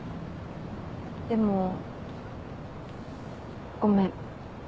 でもごめん。